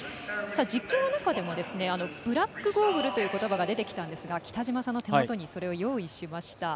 実況の中でもブラックゴーグルということばが出てきたんですが北島さんの手元にそれを用意しました。